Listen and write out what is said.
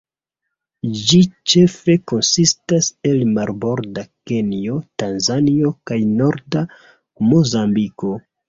Ĝi ĉefe konsistas el marborda Kenjo, Tanzanio kaj norda Mozambiko.